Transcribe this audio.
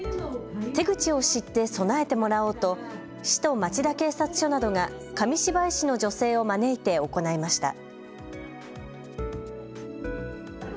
手口を知って備えてもらおうと市と町田警察署などが紙芝居師の女性を招いて行いました。